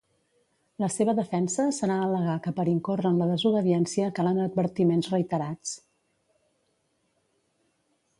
La seva defensa serà al·legar que per incórrer en la desobediència calen advertiments reiterats.